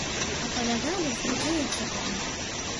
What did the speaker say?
Апавядалі, што дзеецца там.